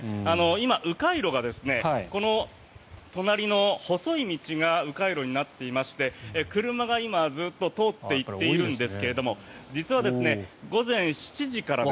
今、迂回路がこの隣の細い道が迂回路になっていまして車が今、ずっと通って行っているんですが実は午前７時から。